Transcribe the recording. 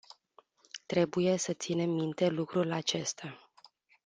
Trebuie să ținem minte lucrul acesta.